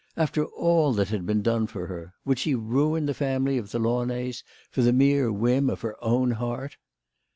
After all that had been done for her, would she ruin the family of the Launays for the mere whim of her own heart